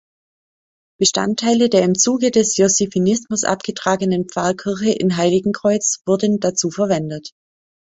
Bestandteile der im Zuge des Josephinismus abgetragenen Pfarrkirche in Heiligenkreuz wurden dazu verwendet.